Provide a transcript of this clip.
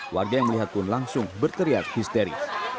warga yang melihat pun langsung berteriak histeri